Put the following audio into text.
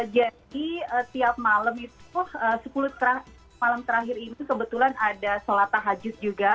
jadi tiap malam itu sepuluh malam terakhir ini kebetulan ada solat tahajud juga